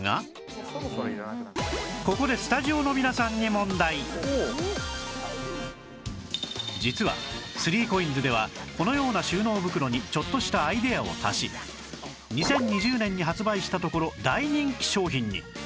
ここでスタジオの皆さんに実は ３ＣＯＩＮＳ ではこのような収納袋にちょっとしたアイデアを足し２０２０年に発売したところ大人気商品に